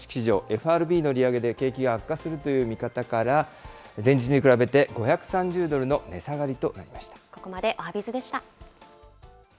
ＦＲＢの利上げで景気が悪化するという見方から、前日に比べて５３０ドルの値下がりとなりました。